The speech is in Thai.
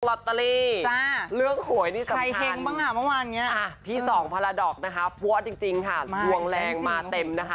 ลอตเตอรี่เลือกโหยที่สำคัญพี่สองพาราดอกนะคะพวดจริงค่ะดวงแรงมาเต็มนะคะ